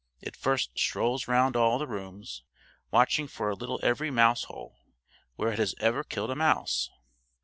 It first strolls round all the rooms, watching for a little every mouse hole, where it has ever killed a mouse.